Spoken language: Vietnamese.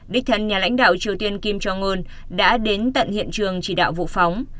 đích thân nhà lãnh đạo triều tiên kim jong un đã đến tận hiện trường chỉ đạo vụ phóng